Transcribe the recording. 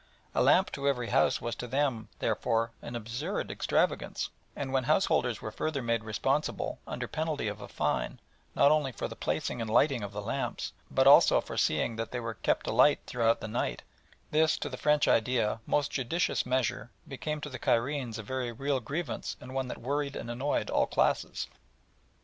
A lamp to every house was to them, therefore, an absurd extravagance, and when householders were further made responsible, under penalty of a fine, not only for the placing and lighting of the lamps, but also for seeing that they were kept alight throughout the night, this, to the French idea, most judicious measure became to the Cairenes a very real grievance and one that worried and annoyed all classes.